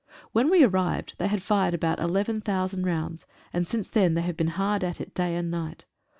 When we arrived they had fired about eleven thousand rounds, and since then they have been hard at it day and night.